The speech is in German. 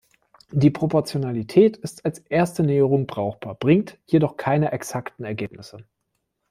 Die Proportionalität ist als erste Näherung brauchbar, bringt jedoch keine exakten Ergebnisse.